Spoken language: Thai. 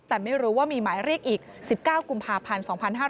แต่ไม่รู้ว่ามีหมายเรียกอีก๑๙กุมภาพันธ์๒๕๕๙